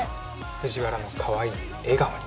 藤原のかわいい笑顔に！